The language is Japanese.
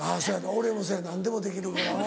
俺もそうや何でもできるから。